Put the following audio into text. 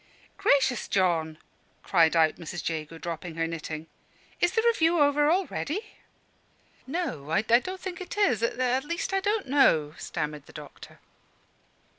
"Gracious, John!" cried out Mrs. Jago, dropping her knitting. "Is the review over already?" "No, I don't think it is at least, I don't know," stammered the doctor.